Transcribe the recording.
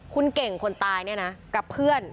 คุณเก่งคนตายเนี่ยนะกับเพื่อน